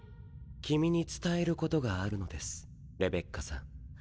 君に伝えることがあるのですレベッカさん。